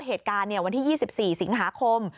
เหตุการณ์วันที่๒๔สิงหาคม